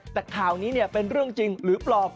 แต่ข่าวนี้เป็นเรื่องจริงหรือปลอม